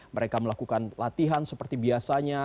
mereka melakukan latihan seperti biasanya